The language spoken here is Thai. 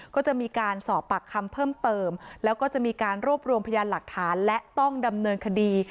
ก็จะมีการสอบปากคำเพิ่มเติมแล้วก็จะมีการรวบรวมพยานหลักฐานและต้องดำเนินคดี